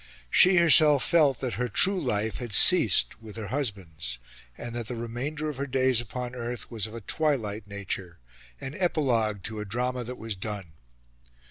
She herself felt that her true life had ceased with her husband's, and that the remainder of her days upon earth was of a twilight nature an epilogue to a drama that was done.